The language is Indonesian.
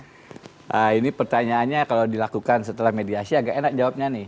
nah ini pertanyaannya kalau dilakukan setelah mediasi agak enak jawabnya nih